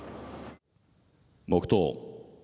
黙とう。